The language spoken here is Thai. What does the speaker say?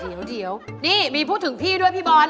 เห็นไหมเดี๋ยวนี่มีพูดถึงพี่ด้วยพี่บอน